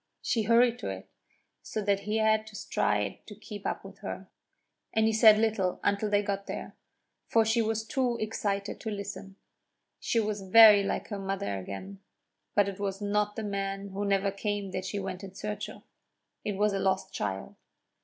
She hurried to it, so that he had to stride to keep up with her; and he said little until they got there, for she was too excited to listen. She was very like her mother again; but it was not the man who never came that she went in search of it was a lost child.